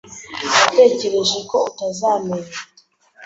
Natekereje ko utazamenya.